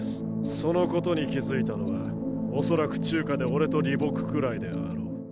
そのことに気付いたのは恐らく中華で俺と李牧くらいであろう。